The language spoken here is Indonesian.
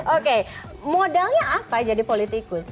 oke modalnya apa jadi politikus